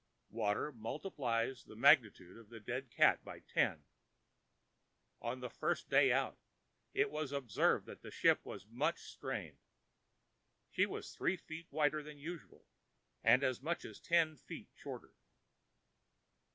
Water multiplies the magnitude of a dead cat by ten. On the first day out, it was observed that the ship was much strained. She was three feet wider than usual and as much as ten feet shorter.